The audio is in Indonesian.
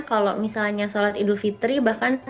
oke nah mas disciplenya apa nih mbak erin folks